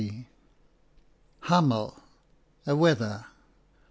Hamel, wether.